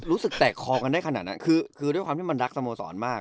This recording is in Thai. รู้สึกแตกคอกันได้ขนาดนั้นคือด้วยความที่มันรักสโมสรมาก